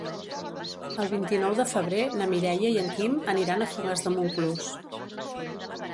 El vint-i-nou de febrer na Mireia i en Quim aniran a Fogars de Montclús.